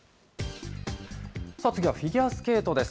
次はフィギュアスケートです。